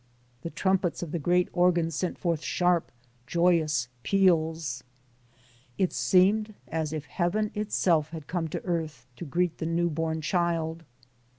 The trumpets of the great organ sent forth sharp, joyous peals. It seemed as if Heaven itself had come to earth to greet the New Born Child.